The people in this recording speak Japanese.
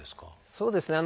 そうですね。